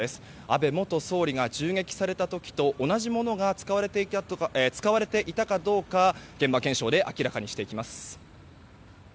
安倍元総理が銃撃された時と同じものが使われていたかどうか現場検証で明らかにしていきます。